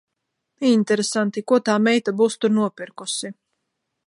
Interesanti, ko tā meita būs tur nopirkusi.